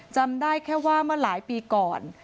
จำได้แค่ว่าเมื่อหลายปีก่อน